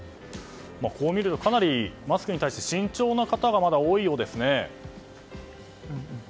こう見るとかなりマスクに対して慎重な方がまだ多いようですね。